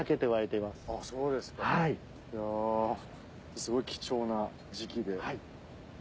すごい貴重な時期で。